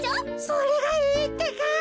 それがいいってか。